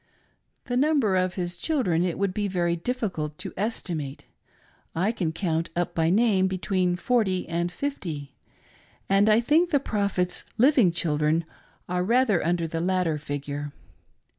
The number of his children it would be very difficult to estimate. I can count up by name between forty and fifty, and I think the Prophet's living children are rather under the latter figure.